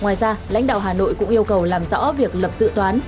ngoài ra lãnh đạo hà nội cũng yêu cầu làm rõ việc lập dự toán